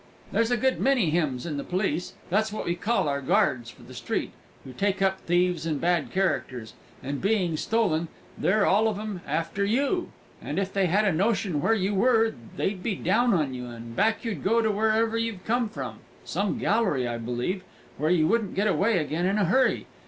"There's a good many hims in the police that's what we call our guards for the street, who take up thieves and bad characters; and, being stolen, they're all of 'em after you; and if they had a notion where you were, they'd be down on you, and back you'd go to wherever you've come from some gallery, I believe, where you wouldn't get away again in a hurry!